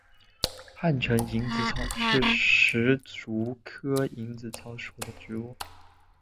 汉城蝇子草是石竹科蝇子草属的植物。